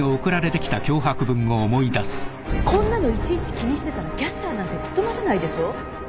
こんなのいちいち気にしてたらキャスターなんて務まらないでしょう？